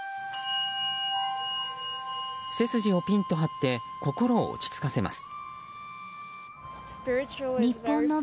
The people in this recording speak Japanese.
背筋をぴんと張って心を落ち着かせます。